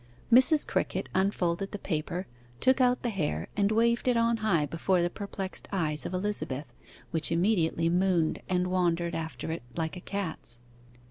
Mrs. Crickett unfolded the paper, took out the hair, and waved it on high before the perplexed eyes of Elizabeth, which immediately mooned and wandered after it like a cat's.